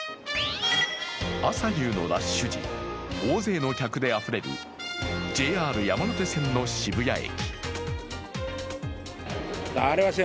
朝夕のラッシュ時、大勢の客であふれるＪＲ山手線の渋谷駅。